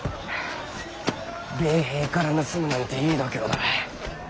米兵から盗むなんていい度胸だな。